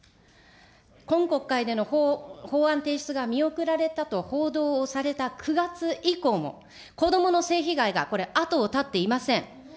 今国会での法案提出が見送られたと報道をされた９月以降も、子どもの性被害がこれ、後を絶っていません。